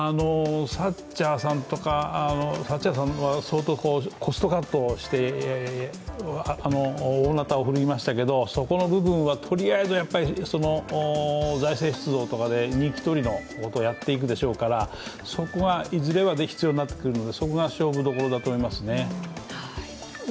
サッチャーさんは相当コストカットして、大なたを振るいましたけどそこの部分はとりあえず財政出動とかで人気取りのことをやっていくでしょうからそこがいずれは必要になってくるのでそこが勝負どころだと思いますね。